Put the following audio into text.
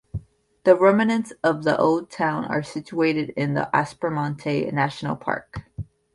The remnants of the old town are situated in the Aspromonte National Park.